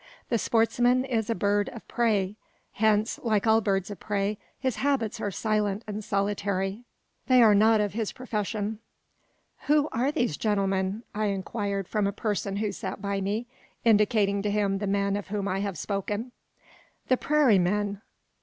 The sportsman is a bird of prey; hence, like all birds of prey, his habits are silent and solitary. They are not of his profession. "Who are these gentlemen?" I inquired from a person who sat by me, indicating to him the men of whom I have spoken. "The prairie men."